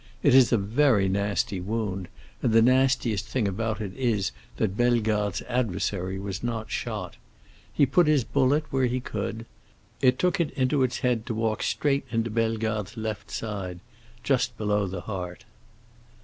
It is a very nasty wound, and the nastiest thing about it is that Bellegarde's adversary was not shot. He put his bullet where he could. It took it into its head to walk straight into Bellegarde's left side, just below the heart."